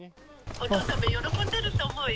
お父さんも喜んでると思うよ。